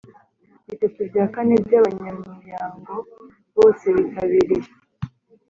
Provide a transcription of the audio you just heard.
Bitatu bya kane by’abanyamuyango bose bitabiriye